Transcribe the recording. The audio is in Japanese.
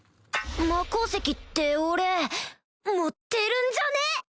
魔鉱石って俺持ってるんじゃね？